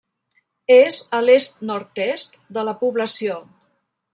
És a l'est-nord-est de la població.